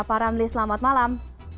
pak ramli selamat malam